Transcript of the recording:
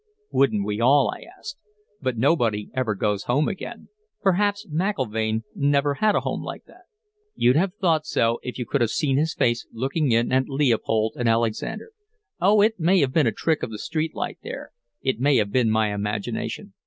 "Wouldn't we all?" I asked. "But nobody ever goes home again. Perhaps McIlvaine never had a home like that." "You'd have thought so if you could have seen his face looking in at Leopold and Alexander. Oh, it may have been a trick of the streetlight there, it may have been my imagination.